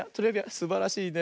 すばらしいね。